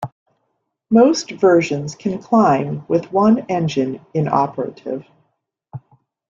Most versions can climb with one engine inoperative.